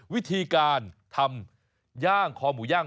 วิธีการทำย่างคอหมูย่าง